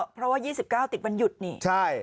เพราะว่า๒๙ติดวันหยุดนี่ใช่